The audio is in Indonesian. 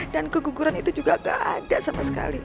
dan keguguran itu juga gak ada sama sekali